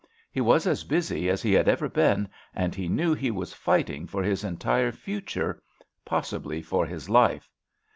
He was as busy as he had ever been, and he knew he was fighting for his entire future, possibly for his life.